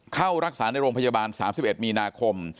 เข้ารักษาในโรงพยาบาล๓๑มีนาคม